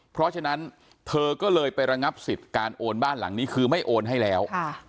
เพราะฉะนั้นเธอก็เลยไประงับสิทธิ์การโอนบ้านหลังนี้คือไม่โอนให้แล้ว